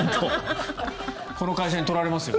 この会社に取られますよ。